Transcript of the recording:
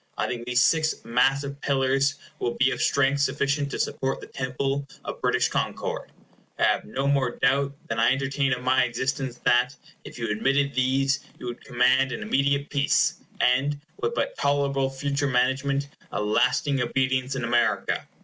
I think these six massive pillars will be of strength sufficient to support the temple of British concord. I have no more doubt than I entertain of my existence that, if you admitted these, you would command an immediate peace, and, with but tolerable future management, a lasting obedience in America.